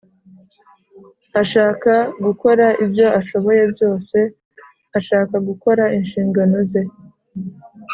ashaka gukora ibyo ashoboye byose; ashaka gukora inshingano ze.